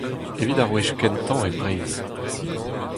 Evit ar wech kentañ e Breizh.